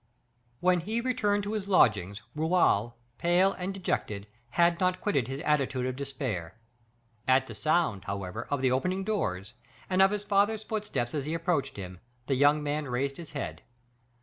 When he returned to his lodgings, Raoul, pale and dejected, had not quitted his attitude of despair. At the sound, however, of the opening doors, and of his father's footsteps as he approached him, the young man raised his head.